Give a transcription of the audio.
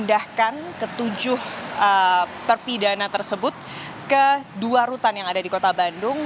dipindahkan ketujuh terpidana tersebut ke dua rutan yang ada di kota bandung